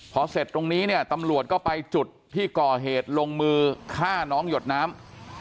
พอเสร็จตรงนี้เนี่ยตำรวจก็ไปจุดที่ก่อเหตุลงมือฆ่าน้องหยดน้ำ